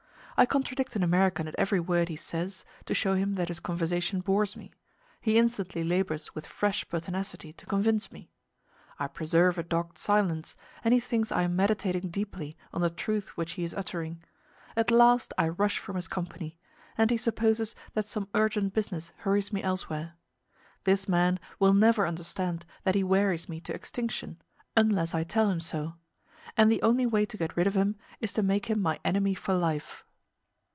I contradict an American at every word he says, to show him that his conversation bores me; he instantly labors with fresh pertinacity to convince me; I preserve a dogged silence, and he thinks I am meditating deeply on the truths which he is uttering; at last I rush from his company, and he supposes that some urgent business hurries me elsewhere. This man will never understand that he wearies me to extinction unless I tell him so: and the only way to get rid of him is to make him my enemy for life.